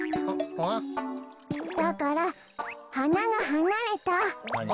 だからはながはなれた。